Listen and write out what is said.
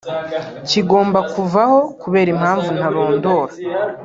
kigomba kuvaho kubera impamvu ntarondora